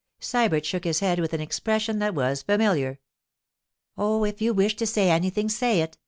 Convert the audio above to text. Sybert shook his head with an expression that was familiar. 'Oh, if you wish to say anything, say it!